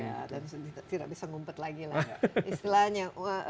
tidak bisa ngumpet lagi lah istilahnya